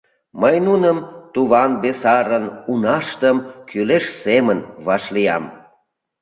Мый нуным, туван-бесарын унаштым кӱлеш семын вашлиям.